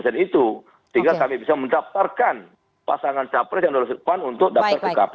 sehingga kami bisa mendaftarkan pasangan capres yang dolar sikpan untuk daftar ke kpi